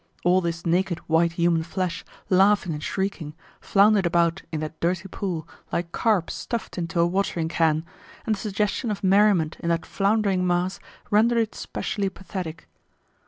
All this naked white human flesh, laughing and shrieking, floundered about in that dirty pool like carp stuffed into a watering can, and the suggestion of merriment in that floundering mass rendered it specially pathetic.